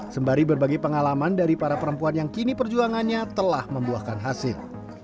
sembari berbagi pengalaman dari para perempuan yang kini perjuangannya telah membuahkan hasil